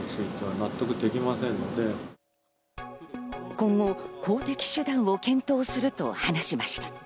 今後、法的手段を検討すると話しました。